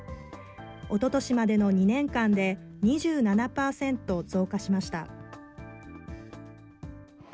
おととしまでの２年間で、２７％増加しました。